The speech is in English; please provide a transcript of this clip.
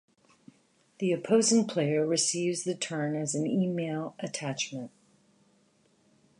The opposing player receives the turn as an email attachment.